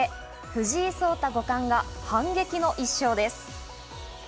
藤井聡太五冠が反撃の１勝です。